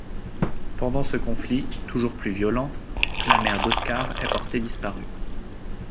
Pendant ce conflit, toujours violent, la mère d'Oscar est portée disparue.